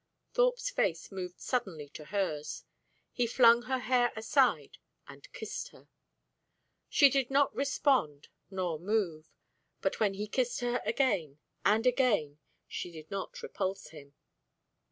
Thorpe's face moved suddenly to hers. He flung her hair aside and kissed her. She did not respond, nor move. But when he kissed her again and again, she did not repulse him.